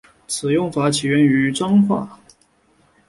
此用法起源于漳州话。